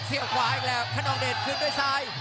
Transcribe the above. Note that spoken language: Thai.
เสียบขวาอีกแล้วคนนองเดชน์ขึ้นด้วยซ้าย